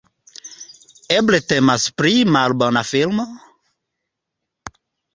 Eble temas pri malbona filmo?